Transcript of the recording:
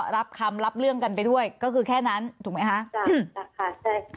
รับคำรับเรื่องกันไปด้วยก็คือแค่นั้นถูกไหมฮะจ้ะจ้ะค่ะใช่